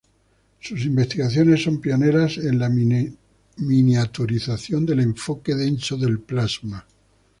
Sus investigaciones son pioneras en la miniaturización del enfoque denso del plasma.